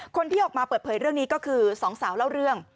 คนที่ออกมาเปิดเผยเรื่องนี้ก็คือสองสาวเล่าเรื่อง